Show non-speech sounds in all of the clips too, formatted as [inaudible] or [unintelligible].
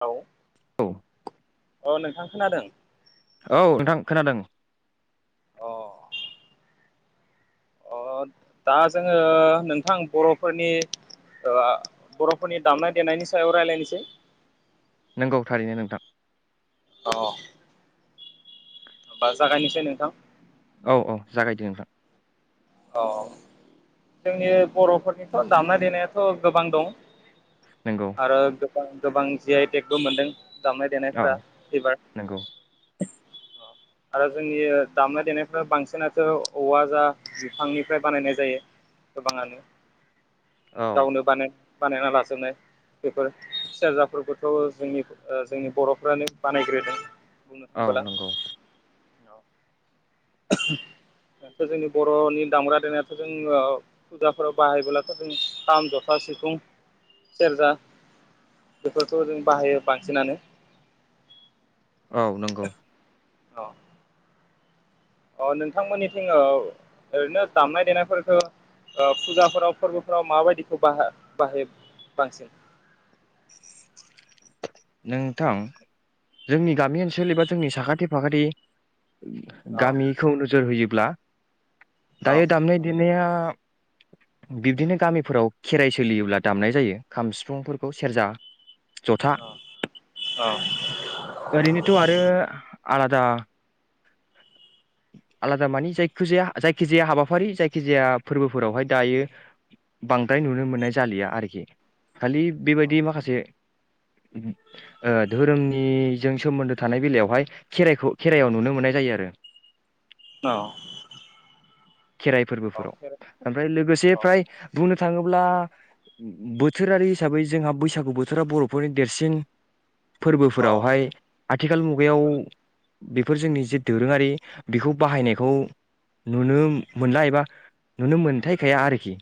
औ औ अ नोंथां खोनादों? औ नोंथां खोनादों अ अ दा जोङो नोंथां बर'फोरनि ओ बर'फोरनि दामनाय देनायनि सायाव रायलायनोसै। नोंगौ थारैनो नोंथां। औ बा जागायनिसै नोंथां। औ औ जागायदो नोंथां। औ जोंनि बर'फोरनिथ दामनाय देनायाथ गोबां दं। नोंगौ आरो [unintelligible] गोबां जि आइटेकबो मोनदों। दामनाय देनाय औ फोरा इबार नोंगौ अ आरो जोंनि दामनाय देनायफोराथ बांसिनाथो औवा जा। बिफांनिफ्राय बानायनाय जायो गोबाङानो। औ गावनो बानय। बानायना लाजोबनाय बेफोर सेरजाफोरखौथ जोंनि ओ जोंनि बर'फ्रानो बानायग्रोदों। बुंनो औ थांबोला नंगौ औ दाथ जोंनि बरनि दामग्रा देनायाथ‌ जों फुजाफोराव बाहायबोलाथ जों खाम जथा सिफुं सेरजा बेफोरखौ जों बाहायो बांसिनानो औ नंगौ औ अ नोंथांमोननिथिं ओ ओरैनो दामनाय देनायफोरखौ ओ फुजाफोराव फोरबोफोराव माबायदिखौ बाहाय बाहाय बांसिन नोंथां जोंनि गामि ओनसोल एबा जोंनि साखाथि फाखाथि अ गामिखौ नोजोर होयोब्ला दायो दामनाय देनाया बिब्दिनो गामिफोराव खेराइ सोलियोब्ला दामनाय जायो खाम सिफुंफोरखौ सेरजा जथा ओरैनोथ‌ आरो आलादा आलादा मानि जायखिजाया जायखिजाया हाबाफारि जायखिजाया फोरबोफोरावहाय दायो बांद्राय नुनो मोननाय जालिया आरोखि खालि बेबायदि माखासे ओ धोरोमनिजों सोमोन्दो थानाय बेलायावहाय खेराइखौ खेराइायाव नुनो मोननाय जायो आरो। औ खेराइ फोरबोफोराव। ओमफ्राय लोगोसे अ फ्राय बुं नो थाङोब्ला बोथोरारि हिसाबै जोंहा बैसागु बोथोरा बर'फोरनि देरसिन अ अ फोरबोफोरावहाय आथिखाल मुगायाव नंगौ बेफोर जोंनि जे दोरोङारि बेखौ बाहायनायखौ नुनो मोनला एबा नुनो मोनथायखाया आरोखि।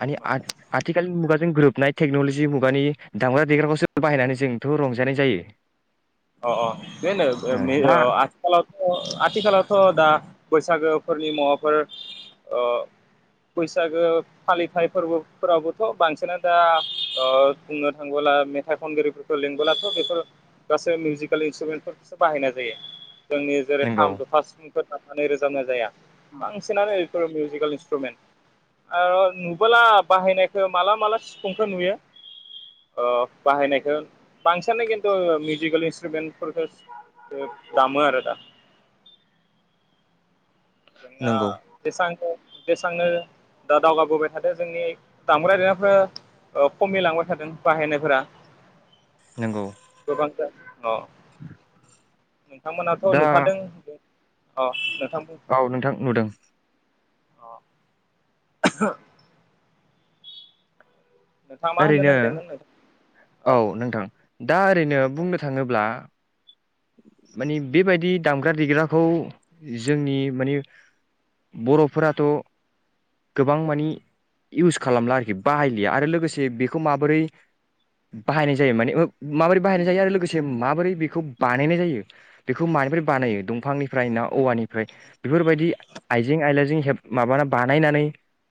मानि नोंथां आथिखालनि मुगाजों गोरोबनाय टेक्न'लजि मुगानि दामग्रा-देग्राखौसो बाहायनानै जोंथ' रंजानाय जायो। अ अ बे ओ दा आथिखालावथ' आथिखालावथ' दा बैसागोफोरनि मुवाफोर ओ बैसागो फालिथाइ फोरबोफोरावबोथ' बांसिनानो दा बुंनो थाङबोला मेथाइ खनगिरिफोरखौ लिंबोलाथ' बेफोर गासै मिउजिकेल इन्स्ट्रुमेन्टफोरखौसो बाहायनाय जायो। जोंनि जेरै- नंगौ खाम, जथा, सिफुं फोर दामनानै रोजाबनाय जाया। बांसिनानो मिउजिकेल इनस्ट्रुमेन्ट आरो नुबोला बाहायनायखौ माला माला सिफुंखौ नुयो बाहायनायखौ ओ बांसिनो खिन्थु मिउजिकेल इनस्ट्रुमेनफोरखौसो दामो आरो दा जों नंगौ [unintelligible] जेसेबांनो दा दावगाबोबाय थादों जोंनि दामग्रा देनायफोरा खमिलांबाय थादों बाहायनायफोरा नंगौ गोबां [unintelligible] अ नोंथांमोनाथ' दा नुखादों आ ओ औ नोंथां नुदों अ [unintelligible] नोंथाङा मा होननो ओरैनो नागिरदोंमोन नोंथां अ औ नोंथां दा ओरैनो बुंनो थाङोब्ला मानि बेबायदि दामग्रा देग्राखौ जोंनि मानि बर'फोराथ' गोबांमानि इउस खालामला आरोखि बाहायलिया आरो लोगोसे बेखौ माबोरै बाहायनाय जायो माने माबोरै बाहायनाय जायो आरो लोगोसे माबोरै बेखौ बानायनाय जायो बेखौ मानिफ्राय बानायो दंफांनिफ्राय ना औवानिफ्राय बेफोरबायदि आइजें आइलाजों हेब माबाना बानायनानै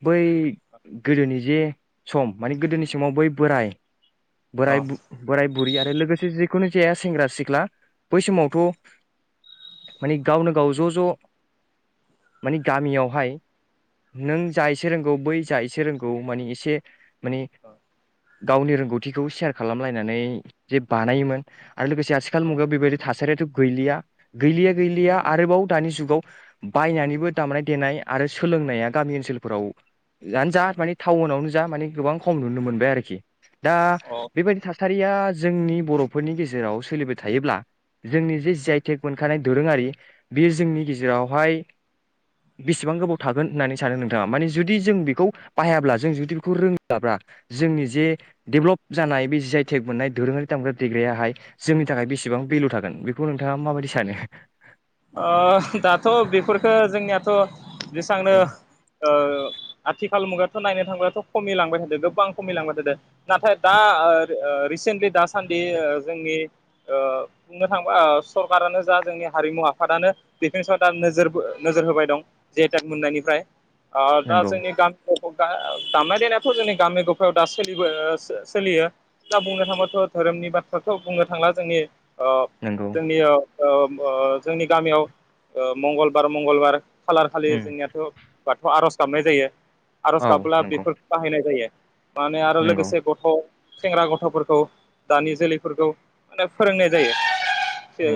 बै गोदोनि जे सम मानि गोदोनि समाव बै बोराय बोराय अ बोराय बुरिया आरो लोगोसे जिखुनु जाया सेंग्रा सिख्ला बै समावथ' माने गावनो गाव ज' ज' मानि गामियावहाय नों जा एसे रोंगौ बै जा एसे रोंगौ मानि एसे माने अ गावनि रोंगौथिखौ सेयार खालामलायनानै जे बानायोमोन आरो लोगोसे आ थिखाल मुगायाव बेबायदि थासारियाथ' गैलिया गैलिया गैलिया आरोबाव दानि जुगाव बायनानैबो दामनाय देनाय आरो सोलोंनाया गामि ओनसोलफोराव जानो जा मानि टाउनावनो जा मानिे गोबां खम नुनो मोनबाय आरोखि दा अ बेबायदि थासा सारिया जोंनि बर'फोरनि गेजेराव सोलिबाय थायोब्ला जोंनि जे ज जि आइ टेक मोनखानाय दोरोङारि बेयो जोंनि गेजेरावहाय बेसेबां गोबाव थागोन होननानै सानो नोंथाङा माने जुदि जों बेखौ बाहायाब्ला जों जुदि बेखौ रोङाब्ला जोंनि जे डेभेलप जानाय बे जि आइ टेक मोननाय दोरोङारि दामग्रा देग्रायाहाय जोंनि थाखाय बेसेबां भेलु थागोन, बेखौ नोंथाङा माबायदि सानो? दाथ' बेफोरफोरखौ जोंनियाथ' बेेसेबांनो ओ आथिखाल मुगा नायनो थांबाथ' खमिलांबाय थादों गोबांं खमिलांबाय थादों नाथाय दा ओ रि-रिसेन्टलि दा सो सान्दि जोंनि ओ बुंनो थांबा ओ सरकारानो जा जोंनि हारिमु आ आफादानो बेफोरनि सायाव दा नोजोर नोजोर होबाय दं जि आइ टेग मोननायनिफ्राय औ दा नंगौ जोंनि गामि दा दामनाय देनायाथ' जोंनि गामि गफायाव दा सोलिबो सोलियो दा बुंनो थाङोबाथ' धोरोमनि बाथ्राखौ बुंनो थांला जोंनि आ नंगौ जोंनि ओ ओम ओ जोंनि गामियाव ओ मंगलबार मंगलबार खालार खालि उम जोंनियाथ' बाथौ आर'ज दामनाय जायो आर'ज औ गाब्ला नंगौ बेफोरखौ बाहायनाय जायो माने आरो नंगौ लोगोसे गथ' सेंग्रा गथ'फोरखौ दानि जोलैफोरखौ माने फोरोंनाय जायो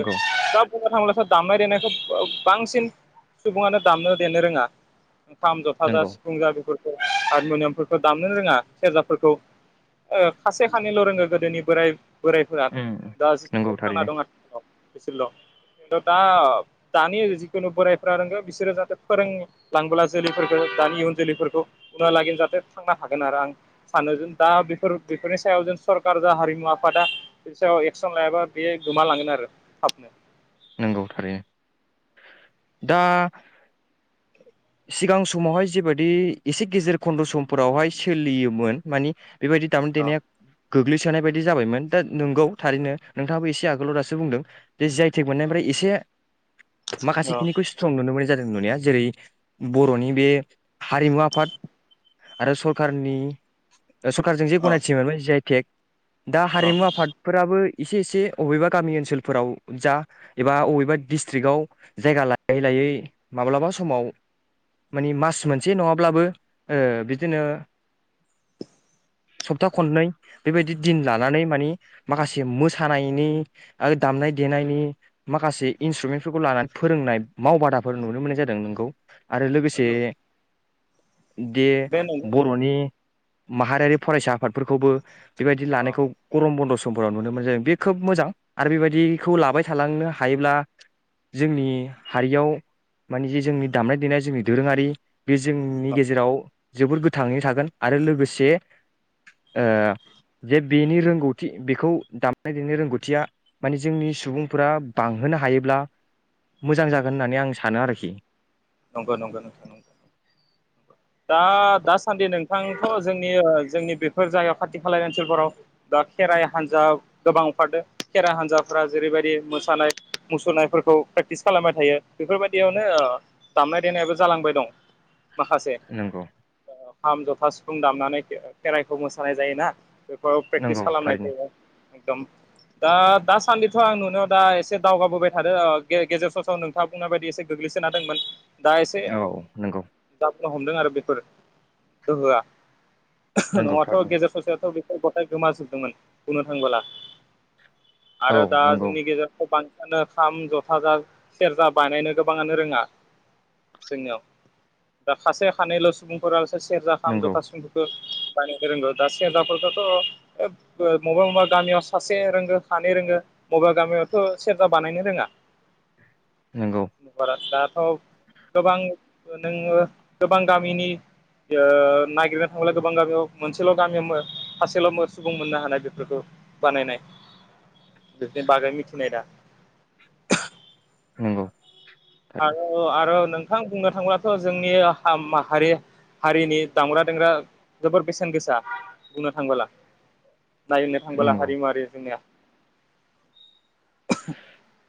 ओ सब [unintelligible] दामनाय देनायखौ अ बांसिन सुबुङानो दामनो देनो रोङा खाम, जथा जा नंगौ सिफुं जा बेफोर हारमुनियामफोरखौ दामनोनो रोङा सेरजाफोरखौ ओ खासे खानैल' रोङो गोदोनि बोराय बोरायफोरा उम दा नंगौ [unintelligible] थांना थारैनो दं आरो [unintelligible] बिसोरल' दा दानि जिखुनु बोरायफ्रा रोंगौ बिसोरो जाहाथे फोरोंलांबोला जोलैफोरखौ दानि इयुन जोलैफोरखौ उनहालागि जाहाथे थांना थागोन आरो आं सानो जों दा बेफोर बेफोरनि सायाव जों सरकार जा हारिमु आफादा बेनि सायाव एक्सन लायाबा बे गोमालांगोन आरो थाबनो नोंगौ थारैनो। दा सिगां समावहाय जिबायदि एसे गेजेर खन्द' समफोरावहाय सोलियोमोन मानि बेबायदि दामनाय अ देनाया गोग्लैसोनाय बायदि जाबायमोन दा नोंगौ थारैनो नोंथाङाबो एसे आगोलाव दासो बुंदों बे जि आइ टेक मोननायनिफ्राय एसे माखासे खिनिखौ स्ट्रं नुनो मोननाय जा जादों नुनाया जेरै- बर'नि बे हारिमु आफाद आरो सरकारनि ओ सरखारजों जे अ गनायथि मोनबाय जि आइ तेक दा अ हारिमु आफादफोराबो इसे इसे अबेबा गामि ओनसोलफोराव जा एबा अबेबा डिस्ट्रिकटआव जायगा लायै लायै माब्लाबा समाव माने मास मोनसे नङाब्लाबो ओ बिदिनो सप्ता खननै बेबायदि दिन लानानै मानि माखासे मोसानायनि आरो दामनाय देनायनि माखासे इन्ट्रुमेन्टफोरखौ लानानै फोरोंनाय मावबादाफोर नुनो मोननाय जादों नोंगौ आरो लोगोसे अ दे बे नंगौ बर'नि माहारियारि फरायसा आफादफोरखौबो बेबायदि अ लानायखौ गरम बन्द' स समफोराव नुनो मोनो जों बे खोब मोजां आरो बेबायदिखौ लाबाय थालांनो हायोब्ला जोंनि हारियाव मानि जे जोंनि दामनाय देनाय जोंनि दोरोङारि बे जोंनि गेजेराव जोबोर गोथाङै थागोन आरो लोगोसे ओ जे बेनि रोंगौथि बेखौ दामनाय देनाय रोंगौथिया माने जोंनि सुबुंफोरा बांहोनो हायोब्ला मोजां जागोन होननानै आं सानो आरोखि नंगौ नंगौ नोंथां नंगौ। दा-दासान्दि नों थां थ' जोंनि जोंनि बेफोर जायगायाव खाथि खाला ओनसोलफोराव दा खेराइ हान्जा गोबां ओंखारदों खेराइ हान्जाफ्रा जेरैबायदि मोसानाय मुसुरनायफोरखौ प्रेक्टिस खालामबाय थायो बेफोरबायदियावनो ओ दामनाय देनायाबो जालांबाय दं। माखासे नंगौ औ खाम जथा सिफुं दामनानै खे-खेराइखौ मोसानाय जायोना बेफोराव प्रेक्टिस नंगौ खालामनाय थारैनो जायो। एकदम दा दासान्दिथ' आं नुनायाव दा एसे दावगाबोबाय थादों गेजेर स सम नोंथाङा बुंनाय बायदि एसे गोग्लैसोनो हादोंमोन। औ नंगौ। हमदों आरो बेफोर गोहोआ नंगौ न'आथ' थारैनो गेजेर ससेथ' गथाय गथाय गोमाजोबदोंमोन बुंनो थांबोला आरो औ दा नंगौ गेजेरावथ' बां खाम जथा सेरजा बायानायनो गोबाङानो रोङा जोंनियाव दा खासे खानैल' सुबुंफोरा सेरजा खाम नंगौ जथा सिफुंखौथ' बानायनो रोंगौ दा सेरजाफोरखौथ' मबा मबा गामियाव सासे रोंगो सानै रोङो बबा गामियावथ' सेरजा बानायनो रोङा। नंगौ [unintelligible] औ। गोबां नोङो गोबां गामिनि ओ नागिरनो थांब्ला गोबां गामियाव मोनसेल' गामियाव फासेल' सुबुं मोननो हानाय बेफोरखौ बानायनाय बेफोरनि बागै मिथिनाय दा नंगौ। थारैनो आरो आरो नों नोंथां बुंनो थाङोलाथ' जोंनि माहारि हारिनि दामग्रा देंग्रा जोबोर बेसेन गोसा बुंनो थाङबोला नायनो थांबोला नंगौ हारिमु आरो जोंनिया [inaudible]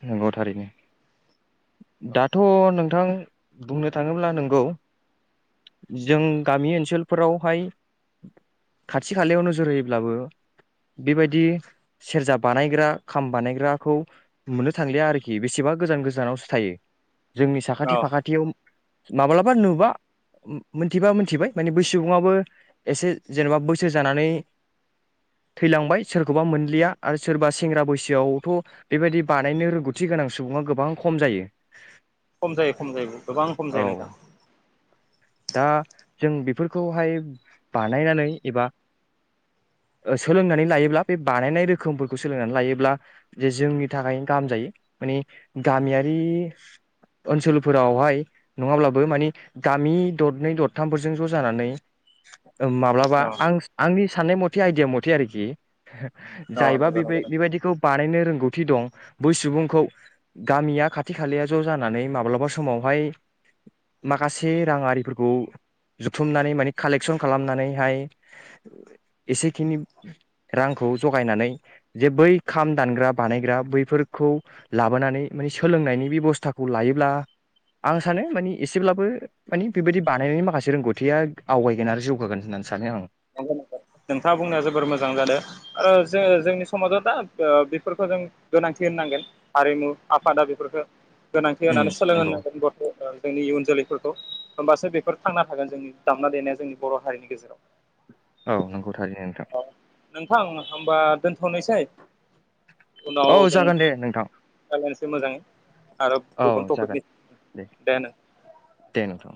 नंगौ थारैनो दाथ' नों नोंथां बुंनो थाङोब्ला नंगौ जों गामि ओनसोलफोरावहाय खाथि खालायाव नोजोर होयोब्लाबो बेबायदि सेरजा बानायग्रा खाम बानायग्राखौ मोननो थांलिया आरोखि बेसेबा गोजान गोजानावसो थायो। जोंनि साखाथि औ फाखाथियाव माब्लाबा नुबा मोनथिबा मोनथिबाय माने बै सुबुङाबो एसे जेनेबा बोसोर जानानै थैलांबाय सोरखौबा मोनलिया आरो सोरबा सेंग्रा बैसोआवथ' बेबायदि बानायनो रोंगौथि गोनां सुबुङा गोबां खम जायो। खम जायो खम जायो गोबां खम औ जायो नोंथां। दा जों बेफोरखौहाय बानायनानै एबा सोलोंनानै लायोब्ला बे बानायनाय रोखोमफोरखौ सोलोंनानै लायोब्ला जे जोंनि नि थाखाय गाहाम जायो माने गामियारि ओनसोलफोरावहाय नङाब्लाबो माने गामि दरनै दरथामफोरजों ज' जानानै माब्लाबा औ आं आंनि साननाय मथे आइदिया मथे आरोखि औ जायबा नंगौ बे नंगौ बेबायदिखौ बानायनो रों थि दं बै सुबुंखौ गामिया खाथि खालाया ज' जानानै माब्लाबा समावहाय माखासे रां आरिफोरखौ जुथुमनानै माने कालेकसन खालामनानैहाय एसेखिनि रांखौ जगायनानै जे बै खाम दानग्रा बानायग्रा बैफोरखौ लाबोनानै माने सोलोंनायनि बेबस्थाखौ लायोब्ला आं सानो माने एसेब्लाबो माने बेबायदि बानायनायनि माखासे रोंगौथिया आवगायगोन आरो जौगागोन होननानै सानो आं नंगौ नोंथां नोंथाङा बुंनाया जोबोर मोजां जादों आरो जो जोंनि समाजाव दा बेफोरखौ जों गोनांथि होननांगोन हारिमु आफादा बेफोरखौ गोनांथि उम होनानै नंगौ सोलोंहांगोन गथ' जोंनि इयुन जोलैफोरखौ होमबासो बेफोर थांना थागोन जोंनि दामना देनाया जोंनि बर' हारिनि गेजेराव औ नोंगौ थारैनो नोंथां नोंथां होमबा दोनथ'नोसै। उनाव औ जों जागोन दे नोंथां राय्लायनोसै मोजाङै आरो औ गुबुन जागोन टपिकनि दे होन दे नोंथां